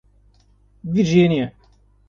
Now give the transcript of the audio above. Virgínia